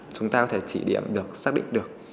chúng ta có thể chỉ điểm được xác định được